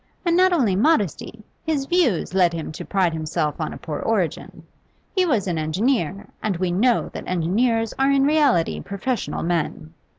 And not only modesty; his views lead him to pride himself on a poor origin. He was an engineer, and we know that engineers are in reality professional men.